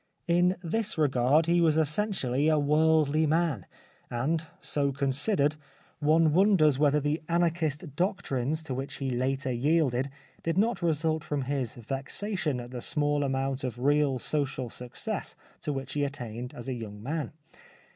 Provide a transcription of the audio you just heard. In this respect he was essentially a worldly man, and, so considered, one wonders whether the Anarchist doctrines to which he later yielded did not result from his vexation at the small amount of real social success to which he attained as a young man.